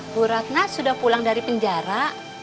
bu ratna sudah pulang dari penjara